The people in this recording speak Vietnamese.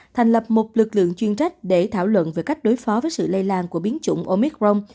thành lập một lực lượng chuyên trách để thảo luận về cách đối phó với sự lây lan của biến chủng omic rong